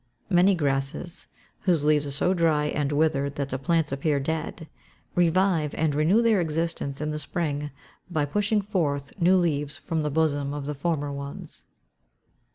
Many grasses, whose leaves are so dry and withered that the plants appear dead, revive and renew their existence in the spring by pushing forth new leaves from the bosom of the former ones.